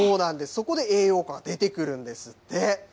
そこで栄養価が出てくるんですって。